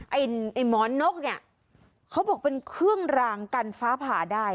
ไอ้หมอนนกเนี่ยเขาบอกเป็นเครื่องรางกันฟ้าผ่าได้